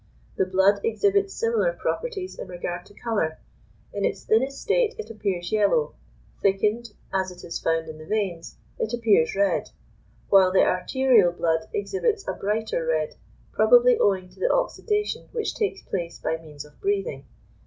The blood exhibits similar properties in regard to colour; in its thinnest state it appears yellow; thickened, as it is found in the veins, it appears red; while the arterial blood exhibits a brighter red, probably owing to the oxydation which takes place by means of breathing.